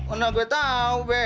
oh nah gue tau be